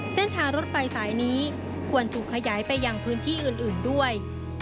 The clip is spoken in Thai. เส้นทางรถไฟสายนี้ควรถูกขยายไปยังพื้นที่อื่นด้วย